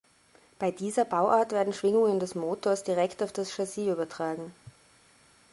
Bei dieser Bauart werden Schwingungen des Motors direkt auf das Chassis übertragen.